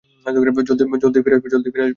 জলদিই ফিরে আসবো।